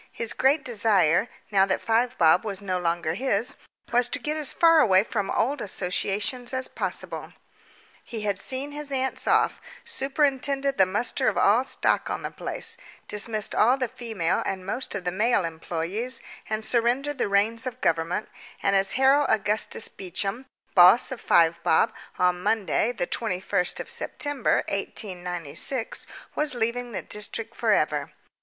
His great desire, now that Five Bob was no longer his, was to get as far away from old associations as possible. He had seen his aunts off, superintended the muster of all stock on the place, dismissed all the female and most of the male employees, and surrendered the reins of government, and as Harold Augustus Beecham, boss of Five Bob, on Monday, the 21st of December 1896, was leaving the district for ever.